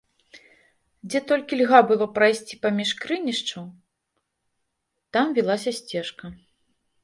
Дзе толькі льга было прайсці паміж крынічышчаў, там вілася сцежка.